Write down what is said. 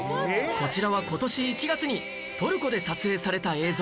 こちらは今年１月にトルコで撮影された映像